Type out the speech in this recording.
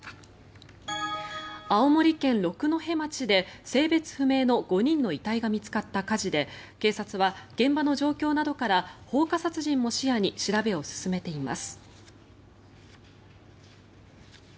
青森県六戸町で、性別不明の５人の遺体が見つかった火事で警察は、現場の状況などから放火殺人も視野に調べを進めています。